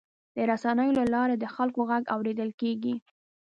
د رسنیو له لارې د خلکو غږ اورېدل کېږي.